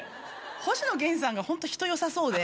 星野源さんがホント人よさそうで。